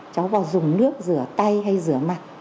cháu vào dùng nước rửa tay hay rửa mặt